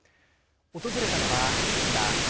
訪れたのは、こちら。